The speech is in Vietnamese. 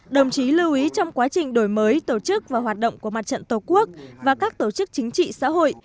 đồng chí lưu ý trong quá trình đổi mới tổ chức và hoạt động của mặt trận tổ quốc và các tổ chức chính trị xã hội